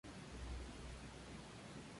Broca estudió medicina en París.